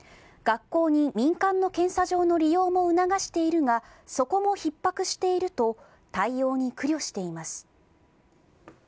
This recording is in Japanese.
学校に民間の検査場の利用も促しているが、そこもひっ迫していると対応に苦慮しています。